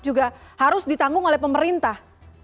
juga harus ditanggung oleh pemerintah